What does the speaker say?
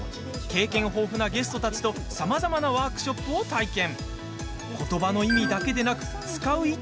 経験豊富なゲストたちとさまざまなワークショップを体験。